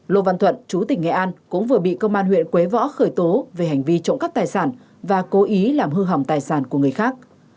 lô văn thuận chú tỉnh nghệ an cũng vừa bị công an huyện quế võ khởi tố về hành vi trộm cắp tài sản và cố ý làm hư hỏng tài sản của người khác